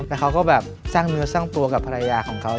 แต่เขาก็แบบสร้างเนื้อสร้างตัวกับภรรยาของเขา